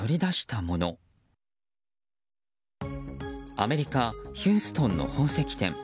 アメリカ・ヒューストンの宝石店。